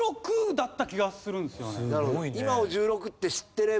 今を１６って知ってれば。